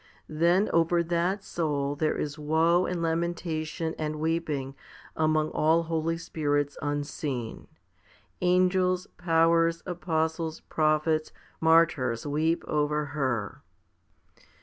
Then over that soul there is woe and lamentation and weeping among all holy spirits unseen. Angels, powers, apostles, prophets, martyrs weep over her.